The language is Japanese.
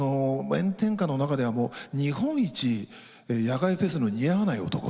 炎天下の中ではもう日本一野外フェスの似合わない男。